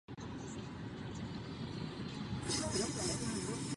Je vyrobená z egyptské bavlny utkané v Itálii.